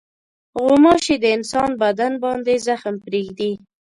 غوماشې د انسان بدن باندې زخم پرېږدي.